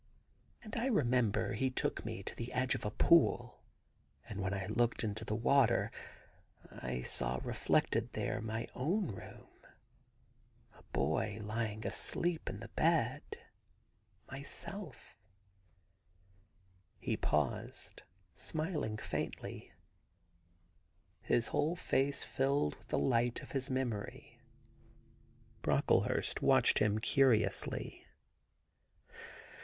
... And I remember he took me to the edge of a pool, and when I looked into the water I saw reflected there my own room — a boy lying asleep in the bed — myself ' He paused, smiling faintly, his whole face filled 79 THE GARDEN GOD with the light of his memory. Broeklehurst watched him curiously.